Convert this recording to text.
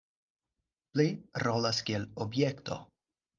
Pli rolas kiel objekto.